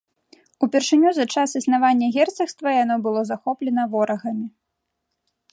Упершыню за час існавання герцагства яно было захоплена ворагамі.